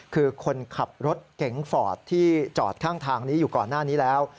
คือคนขับรถเก๋งฟอร์ดที่จอดข้างทางนี้อยู่ก่อนหน้านี้แล้ว